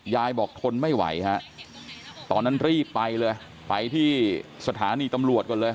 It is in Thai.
ยายบอกทนไม่ไหวฮะตอนนั้นรีบไปเลยไปที่สถานีตำรวจก่อนเลย